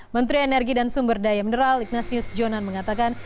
menteri energi dan sumber daya mineral ignatius jonan mengatakan